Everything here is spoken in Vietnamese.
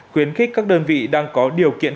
khuyến khích các đơn vị đang có điều kiện